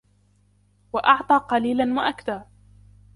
وأعطى قليلا وأكدى